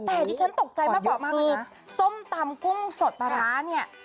แต่ที่ฉันตกใจมากกว่าคือส้มตำกุ้งสดปลาร้าเนี่ย